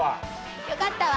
よかったわ。